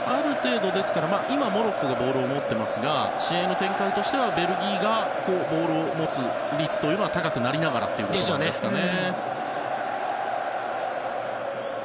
今、モロッコがボールを持っていますが試合の展開としてはベルギーがボールを持つ率が高くなりながらということですかね。でしょうね。